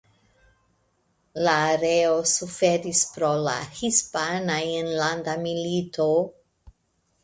La areo suferis pro la Hispana Enlanda Milito.